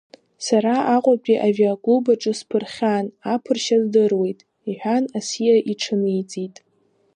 Сара Аҟәатәи авиаклуб аҿы сԥырхьан, аԥыршьа здыруеит, — иҳәан, асиа иҽаниҵеит.